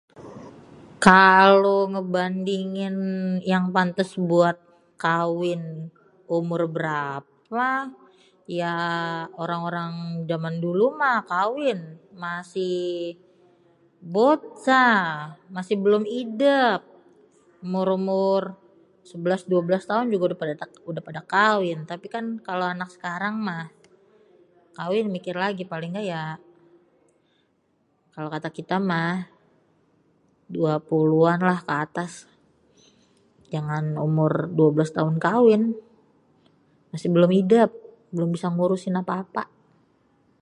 Kalo ngebandingin yang pantes buat kawin umur berapa ya orang-orang jaman dulu mah kawin masih bocah, masih belum idép. Umur-umur sebelas dua belas taun juga udah pada kawin. Tapi kan kalo anak sekarang mah kawin mikir lagi paling nggak kan ya, kalo kita mah dua puluhan lah ke atas. Jangan umur dua belas taun kawin, masih belum idép, belum bisa ngurusin apa-apa.